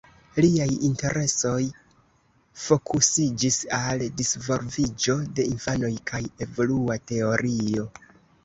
Liaj interesoj fokusiĝis al disvolviĝo de infanoj kaj evolua teorio.